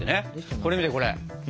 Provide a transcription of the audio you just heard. これ見てこれ！